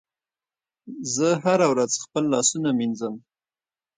زه هره ورځ خپل لاسونه مینځم.